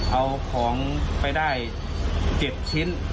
เอาของไปได้๗ชิ้น